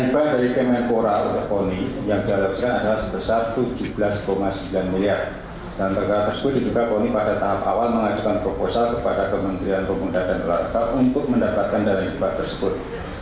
pembelajaran tersebut diduga poni pada tahap awal mengajukan proposal kepada kementerian pemuda dan pelarga untuk mendapatkan dana hibah tersebut